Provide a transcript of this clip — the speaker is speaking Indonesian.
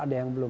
ada yang belum